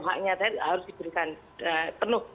haknya harus diberikan penuh